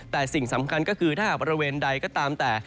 แต่สิ่งสำคัญก็คือถ้าหากบริเวณใดก็ตามแต่